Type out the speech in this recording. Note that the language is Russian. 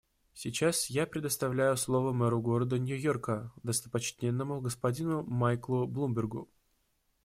Сейчас я предоставляю слово мэру города Нью-Йорка достопочтенному господину Майклу Блумбергу.